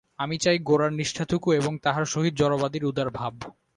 আমি চাই গোঁড়ার নিষ্ঠাটুকু ও তাহার সহিত জড়বাদীর উদার ভাব।